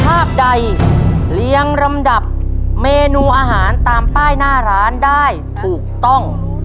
ภาพใดเลี้ยงลำดับเมนูอาหารตามป้ายหน้าร้านได้ถูกต้อง